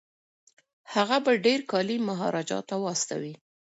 هغه به ډیر کالي مهاراجا ته واستوي.